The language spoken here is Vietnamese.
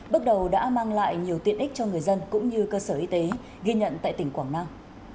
bước đầu đã mang lại nhiều tiện ích cho người dân cũng như cơ sở y tế ghi nhận tại tỉnh quảng nam